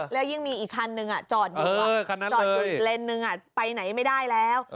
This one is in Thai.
แล้วยิ่งมีอีกคันนึงจอดหนึ่งจอดอุ่นเลนหนึ่งไปไหนไม่ได้แล้ว